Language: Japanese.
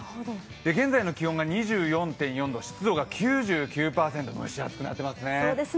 現在の気温が２４．４度、湿度が９９％、蒸し暑くなってますね。